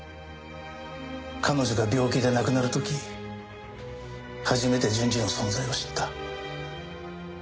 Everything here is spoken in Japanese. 彼女が病気で亡くなる時初めて純次の存在を知った。